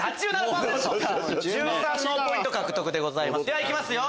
ではいきますよ！